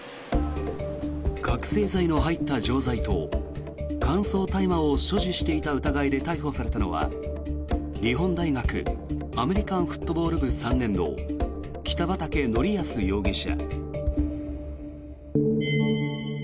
覚醒剤の入った錠剤と乾燥大麻を所持していた疑いで逮捕されたのは日本大学アメリカンフットボール部３年の北畠成文容疑者。